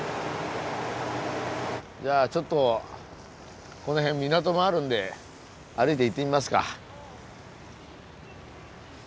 じゃあちょっとこの辺港もあるんで歩いて行ってみますか。